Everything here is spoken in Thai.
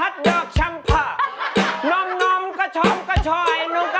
โดคเนาะช้ำแพ่